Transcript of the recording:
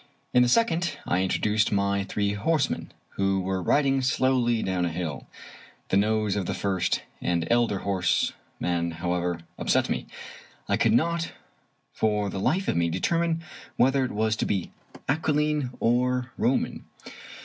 In the second, I introduced my three horsemen, who were riding slowly down a hill. The nose of the first and elder horseman, however, upset me. I could not for the life of me determine whether it was to be aquiline or Roman.